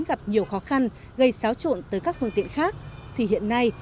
gặp nhiều khó khăn gây xáo trộn tới các phương tiện khác thì hiện nay